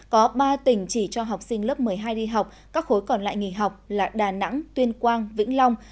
có ba tỉnh chỉ cho học sinh lớp một mươi hai đi học các khối còn lại nghỉ học là đà nẵng tuyên quang vĩnh long